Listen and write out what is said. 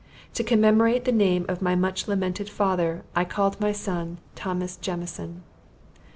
To commemorate the name of my much lamented father, I called my son Thomas Jemison.